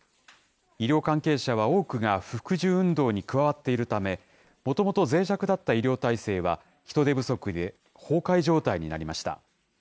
医療関係者は多くが不服従運動に加わっているため、もともとぜい弱だった医療体制は、人手不足で崩壊状態になりました。